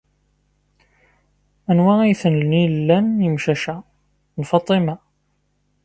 Anwa ay ten-ilan yemcac-a? N Faṭima.